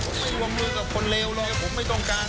ผมไม่ร่วมร่วมกับคนเลวหรอกผมไม่ต้องการ